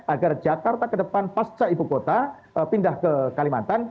agar jakarta ke depan pasca ibu kota pindah ke kalimantan